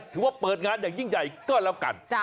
ถือว่าเปิดงานอย่างยิ่งใหญ่ก็แล้วกัน